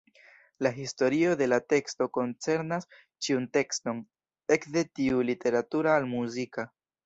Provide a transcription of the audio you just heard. La historio de la teksto koncernas ĉiun tekston, ekde tiu literatura al muzika.